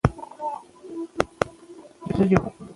ایا دا درس اسانه دی؟